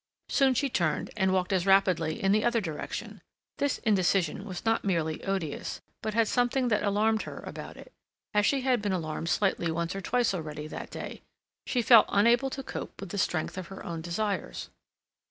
Soon she turned and walked as rapidly in the other direction. This indecision was not merely odious, but had something that alarmed her about it, as she had been alarmed slightly once or twice already that day; she felt unable to cope with the strength of her own desires.